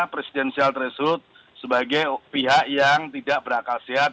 presidensial threshold sebagai pihak yang tidak berakal sehat